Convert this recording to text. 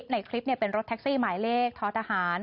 ในคลิปเป็นรถแท็กซี่หมายเลขท้อทหาร